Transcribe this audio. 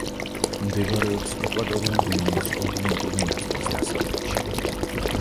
მდებარეობს ეკვატორული გვინეის კონტინენტური ნაწილის დასავლეთში.